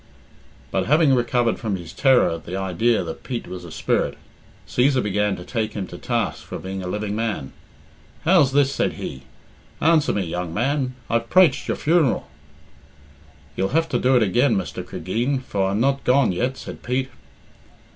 But having recovered from his terror at the idea that Pete was a spirit, Cæsar began to take him to task for being a living man. "How's this?" said he. "Answer me, young man, I've praiched your funeral." "You'll have to do it again, Mr. Cregeen, for I'm not gone yet," said Pete.